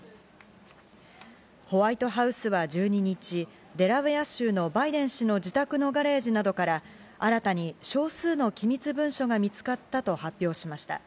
ホワイトハウスは１２日、デラウェア州のバイデン氏の自宅のガレージなどから新たに少数の機密文書が見つかったと発表しました。